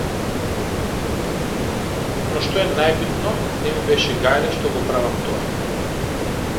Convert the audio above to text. Но што е најбитно, не ми беше гајле што го правам тоа.